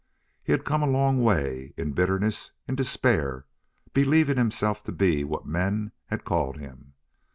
He had come a long way, in bitterness, in despair, believing himself to be what men had called him.